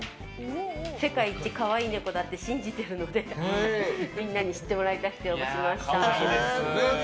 世界一可愛いネコだって信じているのでみんなに知ってもらいたくて応募しました。